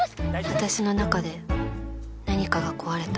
私の中で何かが壊れた